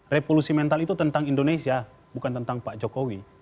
revolusi mental itu tentang indonesia bukan tentang pak jokowi